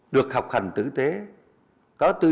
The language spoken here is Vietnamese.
được học hành tử tế có tư duy có nhận thức